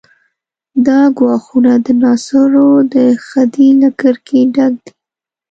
دا ګواښونه د ناصرو د خدۍ له کرکې ډک دي.